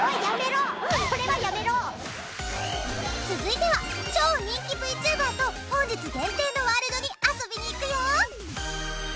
続いては超人気ＶＴｕｂｅｒと本日限定のワールドに遊びに行くよ！